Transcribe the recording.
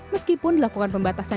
meskipun dilakukan pembatasan